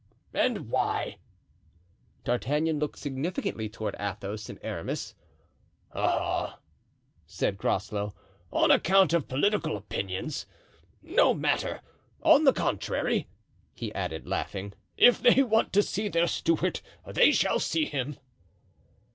"And why?" D'Artagnan looked significantly toward Athos and Aramis. "Aha," said Groslow; "on account of political opinions? No matter. On the contrary," he added, laughing, "if they want to see their Stuart they shall see him.